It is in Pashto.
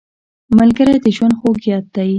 ملګری د ژوند خوږ یاد دی